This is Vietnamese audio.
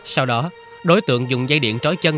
sau đó đối tượng dùng dây điện trói chân